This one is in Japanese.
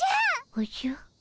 おじゃ？